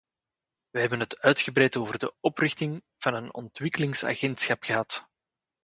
Wij hebben het uitgebreid over de oprichting van een ontwikkelingsagentschap gehad.